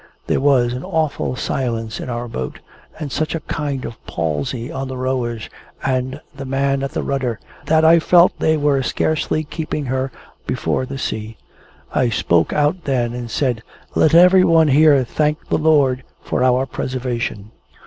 There was an awful silence in our boat, and such a kind of palsy on the rowers and the man at the rudder, that I felt they were scarcely keeping her before the sea. I spoke out then, and said, "Let every one here thank the Lord for our preservation!"